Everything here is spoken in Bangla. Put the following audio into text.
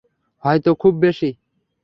হয়তো খুব বেশি।